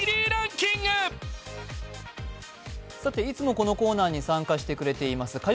いつもこのコーナーに参加してくれています